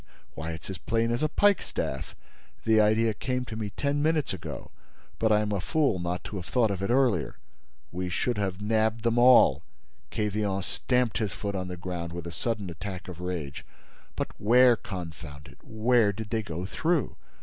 Why, it's as plain as a pikestaff! The idea came to me ten minutes ago—but I'm a fool not to have thought of it earlier. We should have nabbed them all." Quevillon stamped his foot on the ground, with a sudden attack of rage. "But where, confound it, where did they go through?